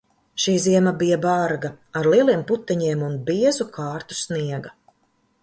Šī ziema bija barga, ar lieliem puteņiem un biezu kārtu sniega.